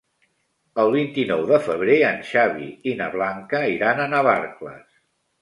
El vint-i-nou de febrer en Xavi i na Blanca iran a Navarcles.